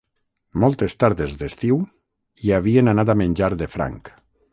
Moltes tardes d'estiu hi havien anat a menjar de franc.